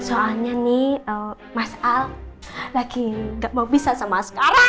soalnya nih mas al lagi gak mau bisa sama mas karah